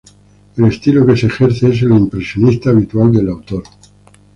El estilo que se ejerce es el impresionista habitual del autor.